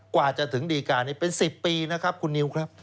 กว่าจะถึงดีการนี้เป็น๑๐ปีนะครับคุณนิวครับ